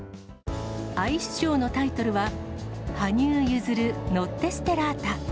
アイスショーのタイトルは、羽生結弦ノッテ・ステラータ。